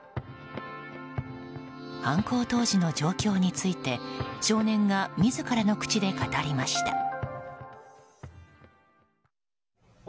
犯行当時の状況について少年が自らの口で語りました。